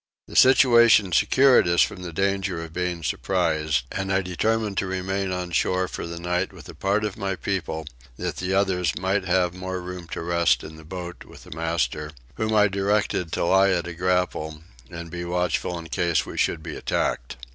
The situation secured us from the danger of being surprised, and I determined to remain on shore for the night with a part of my people that the others might have more room to rest in the boat with the master, whom I directed to lie at a grapnel and be watchful in case we should be attacked.